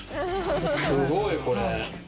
すごいこれ。